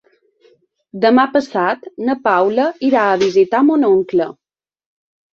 Demà passat na Paula irà a visitar mon oncle.